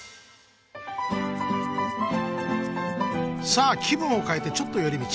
さあ気分を変えてちょっとより道。